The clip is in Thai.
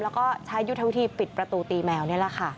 แล้วก็ใช้ยุทธวิธีปิดประตูตีแมวนี่แหละค่ะ